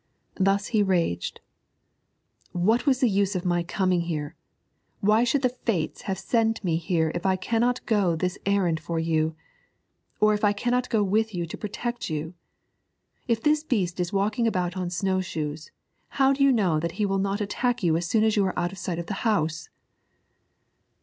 Thus he raged 'What was the use of my coming here? Why should the Fates have sent me here if I cannot go this errand for you, or if I cannot go with you to protect you? If this beast is walking about on snow shoes, how do you know that he will not attack you as soon as you are out of sight of the house?'